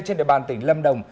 trên địa bàn tỉnh lâm đồng